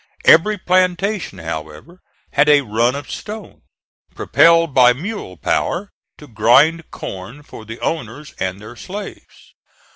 Every plantation, however, had a run of stone, propelled by mule power, to grind corn for the owners and their slaves.